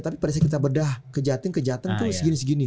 tapi pada saat kita bedah ke jahatim ke jahatan tuh segini segini